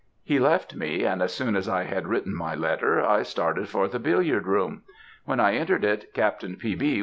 "He left me, and as soon as I had written my letter, I started for the billiard room. When I entered it, Captain P. B.